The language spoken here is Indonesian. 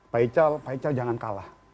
pak ical jangan kalah